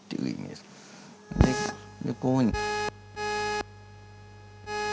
でこういうふうに。